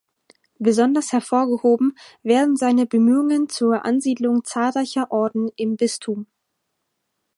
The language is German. Besonders hervorgehoben werden seine Bemühungen zur Ansiedlung zahlreicher Orden im Bistum.